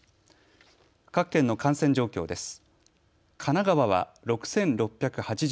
各県の感染状況です。